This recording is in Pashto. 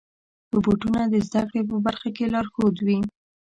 روبوټونه د زدهکړې په برخه کې لارښود وي.